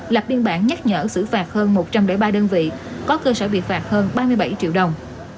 lập biên bản nhắc nhở xử phạt hơn một trăm linh ba đơn vị có cơ sở bị phạt hơn ba mươi bảy triệu đồng